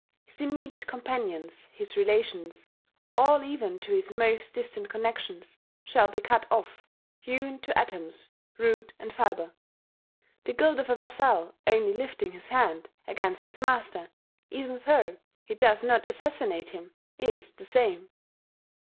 His immediate companions, his relations, all even to his most distant connexions, shall be cut off, hewn to atoms, root and fibre. The guilt of a vassal only lifting his hand against his master, even though he does not assassinate him, is the same."